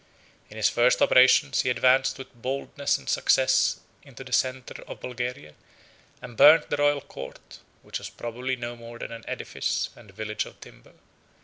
In his first operations he advanced with boldness and success into the centre of Bulgaria, and burnt the royal court, which was probably no more than an edifice and village of timber.